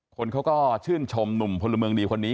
คนเขาก็ชื่นชมหนุ่มพลเมืองดีคนนี้